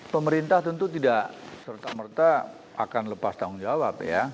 pemerintah tentu tidak serta merta akan lepas tanggung jawab ya